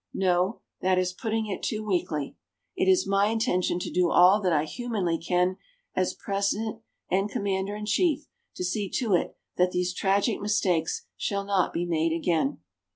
No that is putting it too weakly it is my intention to do all that I humanly can as President and Commander in Chief to see to it that these tragic mistakes shall not be made again.